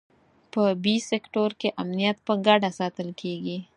په بي سیکټور کې امنیت په ګډه ساتل کېږي.